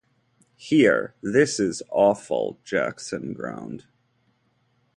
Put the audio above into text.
"Here, this is awful," Jackson groaned.